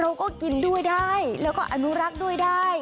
เราก็กินด้วยได้แล้วก็อนุรักษ์ด้วยได้